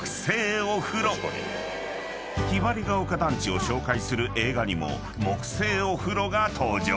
［ひばりが丘団地を紹介する映画にも木製お風呂が登場］